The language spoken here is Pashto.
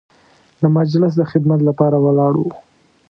د مجلس د خدمت لپاره ولاړ وو.